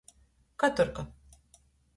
Katurka.